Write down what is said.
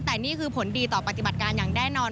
แต่นี่คือผลดีต่อปฏิบัติการอย่างแน่นอน